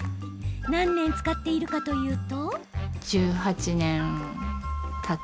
何年使っているかというと。